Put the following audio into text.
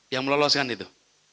yang meloloskan itu